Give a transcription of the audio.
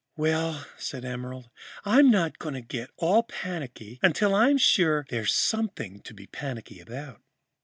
"Well," said Emerald, "I'm not going to get all panicky until I'm sure there's something to be panicky about."